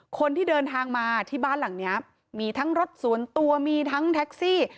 คนที่เดินทางมาที่บ้านหลังนี้มีทั้งรถส่วนตัวมีทั้งแท็กซี่